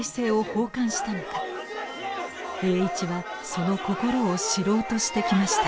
栄一はその心を知ろうとしてきました。